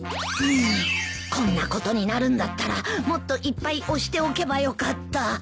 うんこんなことになるんだったらもっといっぱい押しておけばよかった。